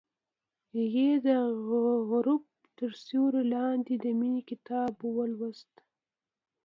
هغې د غروب تر سیوري لاندې د مینې کتاب ولوست.